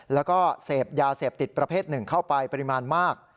แล้วก็เสพยาเสพติดประเภทหนึ่งเข้าไปปริมาณมาก